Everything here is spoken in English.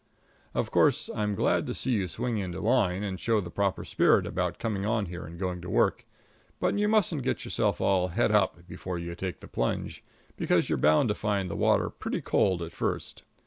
Of course, I'm glad to see you swing into line and show the proper spirit about coming on here and going to work; but you mustn't get yourself all "het up" before you take the plunge, because you're bound to find the water pretty cold at first.